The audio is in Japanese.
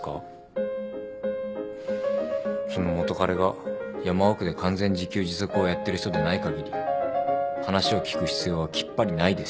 その元カレが山奥で完全自給自足をやってる人でない限り話を聞く必要はきっぱりないです。